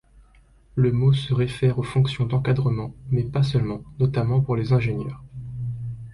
Le mot se réfère aux fonctions d'encadrement, mais pas seulement, notamment pour les ingénieurs.